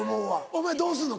お前どうするの？